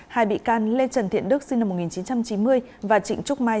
hai bị can lê trần thiện đức sinh năm một nghìn chín trăm chín mươi và trịnh trúc mai